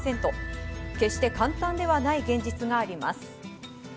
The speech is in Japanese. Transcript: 決して簡単ではない現実があります。